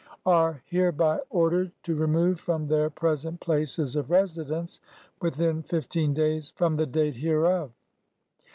11 291 are hereby ordered to remove from their present places of residence within fifteen days from the date hereof.